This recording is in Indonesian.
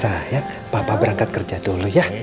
sayang papa berangkat kerja dulu ya